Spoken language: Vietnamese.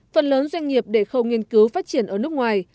phần lớn doanh nghiệp để khâu nghiên cứu phát triển ở nước ngoài